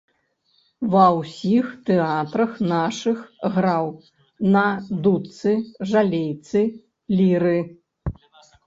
Ва ўсіх тэатрах нашых граў на дудцы, жалейцы, ліры.